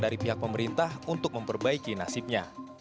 dari pihak pemerintah untuk memperbaiki nasibnya